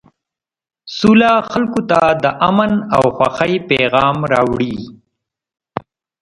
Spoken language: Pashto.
سوله خلکو ته د امن او خوښۍ پیغام راوړي.